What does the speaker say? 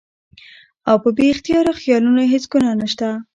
او پۀ بې اختياره خيالونو هېڅ ګناه نشته